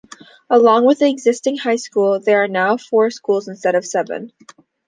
Along with the existing High School, there are now four schools instead of seven.